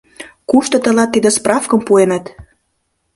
Кушто тылат тиде справкым пуэныт?